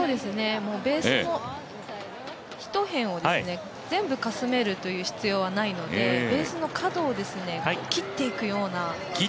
ベースの１辺を全てかすめる必要はないのでベースの角を切っていくような。